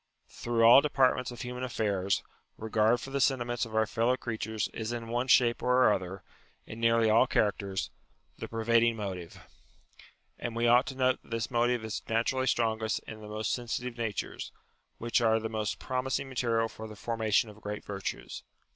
Through all departments of human affairs, regard for the sentiments of our fellow creatures is in one shape or other, in nearly all characters, the pervading UTILITY OF RELIGION 87 motive. And we ought to note that this motive is naturally strongest in the most sensitive natures, which are the most promising material for the for mation of great virtues.